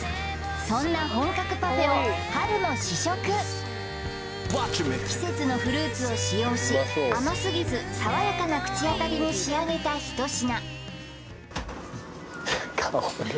そんな本格パフェをはるも試食季節のフルーツを使用し甘すぎず爽やかな口当たりに仕上げた一品